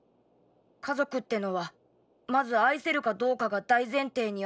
家族ってのはまず愛せるかどうかが大前提にあるんだ。